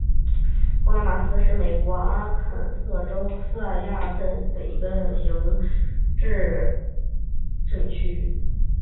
托马霍克镇区是位于美国阿肯色州瑟西县的一个行政镇区。